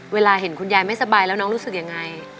เวลาเห็นคุณยายไม่สบายแล้วน้องรู้สึกยังไง